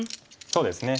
そうですね。